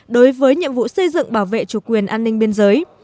đối với nhiệm vụ xây dựng bảo vệ chủ quyền an ninh biên giới